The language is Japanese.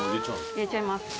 入れちゃいます。